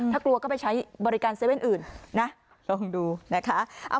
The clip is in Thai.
ถ้ากลัวก็ไปใช้บริการเซเว่นอื่นลองดูนะคะ